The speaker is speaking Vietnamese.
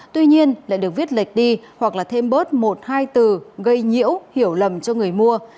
tuy nhiên lại được viết lệch đi hoặc là thêm bớt một hai từ gây nhiễu hiểu lầm cho người mua